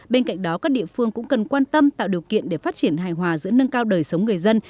bên cạnh đó các địa phương cũng cần quan tâm tạo điều kiện để phát triển hài hòa giữa nâng cao đời sống người dân